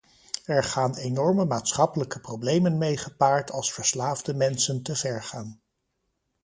Er gaan enorme maatschappelijke problemen mee gepaard als verslaafde mensen te ver gaan.